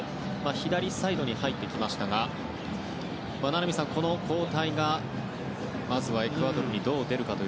左サイドに入ってきましたが名波さん、この交代がまずエクアドルにどう出るか。